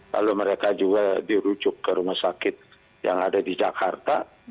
lalu mereka juga dirujuk ke rumah sakit yang ada di jakarta